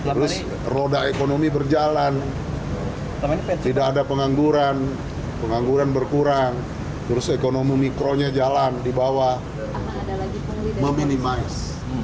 terus roda ekonomi berjalan tidak ada pengangguran pengangguran berkurang terus ekonomi mikronya jalan di bawah meminimais